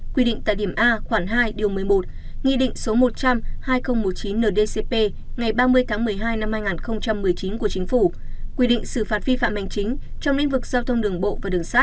quy định tại điểm a khoảng hai điều một mươi một nghị định số một trăm linh hai nghìn một mươi chín ndcp ngày ba mươi tháng một mươi hai năm hai nghìn một mươi chín của chính phủ quy định xử phạt vi phạm hành chính trong lĩnh vực giao thông đường bộ và đường sát